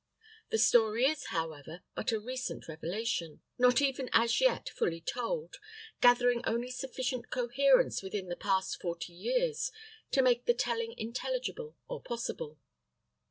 The story is, however, but a recent revelation, not even as yet fully told, gathering only sufficient coherence within the past forty years to make the telling intelligible or possible.